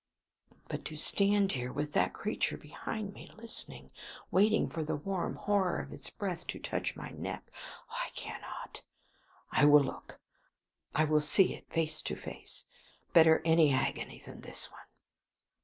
But to stand here, with that creature behind me, listening, waiting for the warm horror of its breath to touch my neck! Ah! I cannot. I will look. I will see it face to face. Better any agony than this one.